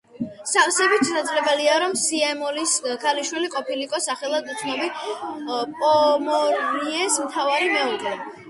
სავსებით შესაძლებელია, რომ სიემომისლის ქალიშვილი ყოფილიყო სახელად უცნობი პომორიეს მთავრის მეუღლე.